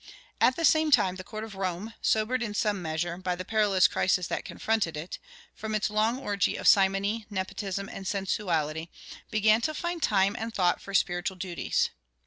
At the same time the court of Rome, sobered in some measure, by the perilous crisis that confronted it, from its long orgy of simony, nepotism, and sensuality, began to find time and thought for spiritual duties.